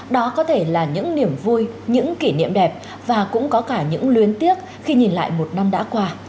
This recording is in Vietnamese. đó có thể là những niềm vui những kỷ niệm đẹp và cũng có cả những luyến tiếc khi nhìn lại một năm đã qua